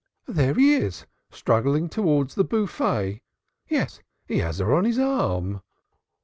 "There he is, struggling towards the buffet. Yes, he has her on his arm."